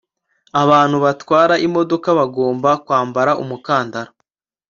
abantu batwara imodoka bagomba kwambara umukandara